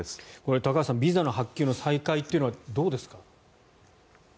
高橋さん、ビザの発給の再開というのはどうですか？